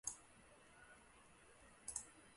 循环神经网络